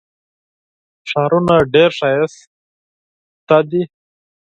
ښارونه ډېر ښایسته دي.